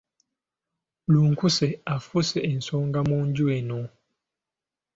Lunkuse afuuse ensonga mu nju muno.